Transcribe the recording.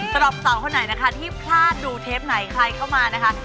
สำหรับสาวคนไหนนะคะที่พลาดดูเทปไหนใครเข้ามานะคะ